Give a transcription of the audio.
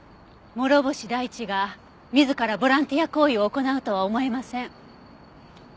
諸星大地が自らボランティア行為を行うとは思えません。